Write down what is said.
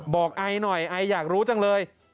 ไอหน่อยไออยากรู้จังเลย